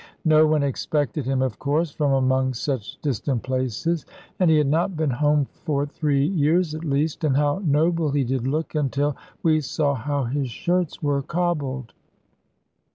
No one expected him, of course, from among such distant places; and he had not been home for three years at least, and how noble he did look, until we saw how his shirts were cobbled!